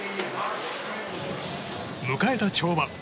迎えた跳馬。